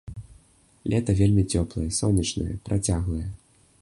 Лета вельмі цёплае, сонечнае, працяглае.